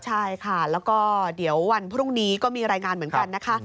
ใช่ค่ะแล้วก็เดี๋ยววันพรุ่งนี้ก็มีรายงานเหมือนกันนะคะ